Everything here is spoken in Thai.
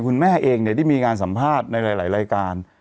คุณแม่เองเนี่ยได้มีการสัมภาษณ์ในหลายรายการ